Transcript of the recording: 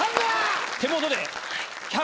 手元で。